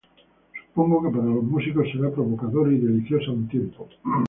Supongo que para los músicos será provocadora y deliciosa a un tiempo.